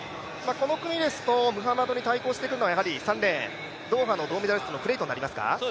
この組ですとムハマドに対抗してくるのは３レーン、ドーハの銅メダリストのクレイトンになりますか？